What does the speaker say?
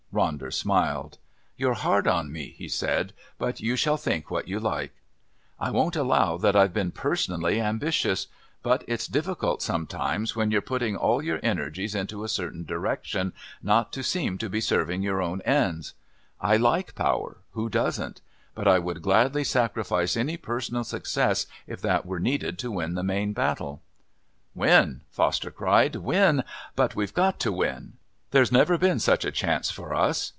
Ronder smiled. "You're hard on me," he said; "but you shall think what you like. I won't allow that I've been personally ambitious, but it's difficult sometimes when you're putting all your energies into a certain direction not to seem to be serving your own ends. I like power who doesn't? But I would gladly sacrifice any personal success if that were needed to win the main battle." "Win!" Foster cried. "Win! But we've got to win! There's never been such a chance for us!